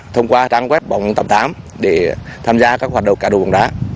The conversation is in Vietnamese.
thông qua trang web bóng tạm tám để tham gia các hoạt động cả đồ bóng đá